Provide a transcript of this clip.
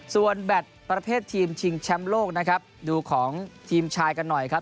ส่วนแบตประเภททีมชิงแชมป์โลกนะครับดูของทีมชายกันหน่อยครับ